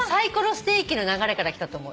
ステーキの流れからきたと思う。